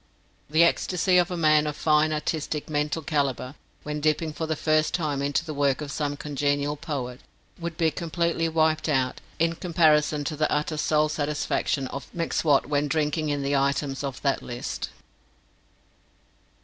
The ecstasy of a man of fine, artistic, mental calibre, when dipping for the first time into the work of some congenial poet, would be completely wiped out in comparison to the utter soul satisfaction of M'Swat when drinking in the items of that list.